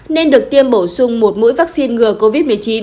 nên được tiêm bổ sung một mũi vaccine ngừa covid một mươi chín